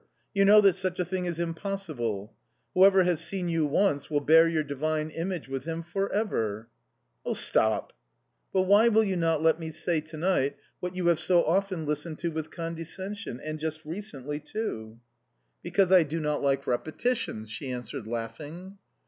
You know that such a thing is impossible! Whoever has seen you once will bear your divine image with him for ever." "Stop"... "But why will you not let me say to night what you have so often listened to with condescension and just recently, too?"... "Because I do not like repetitions," she answered, laughing.